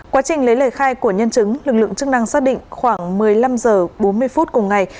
quá trình lấy lời khai của nhân chứng lực lượng chức năng xác định khoảng một mươi năm h bốn mươi phút cùng ngày